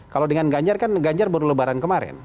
kalau dengan ganjar kan ganjar baru lebaran kemarin